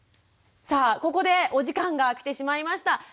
さあここでお時間が来てしまいました。